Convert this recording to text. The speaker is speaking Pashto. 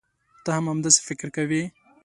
ته هم همداسې فکر کوې.